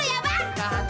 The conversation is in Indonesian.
ketauan lo ya bang